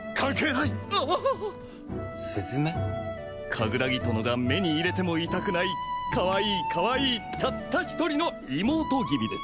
カグラギ殿が目に入れても痛くないかわいいかわいいたった一人の妹君です。